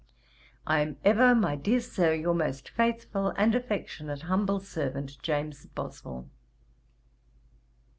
'I ever am, my dear Sir, 'Your most faithful, 'And affectionate humble servant, 'JAMES BOSWELL.'